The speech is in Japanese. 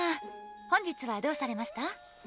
本日はどうされました？